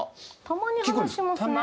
たまに話しますね。